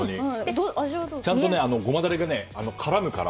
ちゃんとごまだれが絡むから。